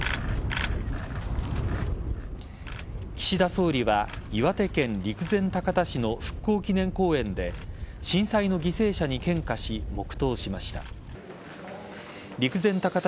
岸田総理は岩手県陸前高田市の復興祈念公園で震災の犠牲者に献花し黙とうしました。